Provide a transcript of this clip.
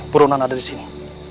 burunan ada disini